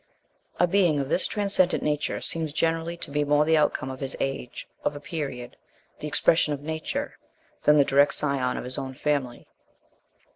A being of this transcendent nature seems generally to be more the outcome of his age, of a period, the ex pression of nature, than the direct scion of his own family.